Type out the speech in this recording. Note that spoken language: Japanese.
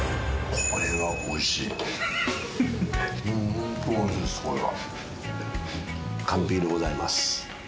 ホント美味しいですこれは。